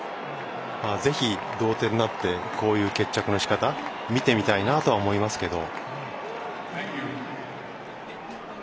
ぜひ同点になってこういう決着のしかた見てみたいなとは思いますけど。